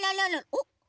おっ。